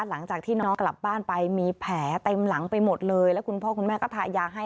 หลังจากที่น้องกลับบ้านไปมีแผลเต็มหลังไปหมดเลยแล้วคุณพ่อคุณแม่ก็ทายาให้